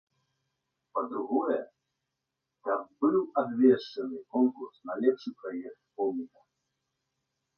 Па-другое, каб быў абвешчаны конкурс на лепшы праект помніка.